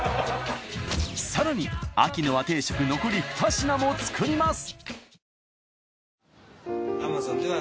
さらに秋の和定食残り２品も作ります